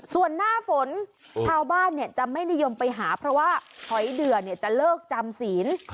ส่วนหน้าฝนชาวบ้านจะไม่นิยมไปหาเพราะว่าหอยเดือจะเลิกจำศีล